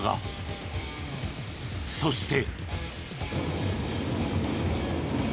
そして。